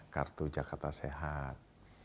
kartu jakarta sehat